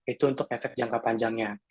itu untuk efek jangka panjangnya